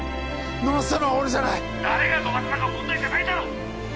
飲ませたのは俺じゃない☎誰が飲ませたかは問題じゃないだろ！